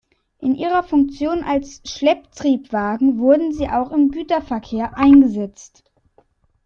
In ihrer Funktion als Schlepptriebwagen wurden sie auch im Güterverkehr eingesetzt.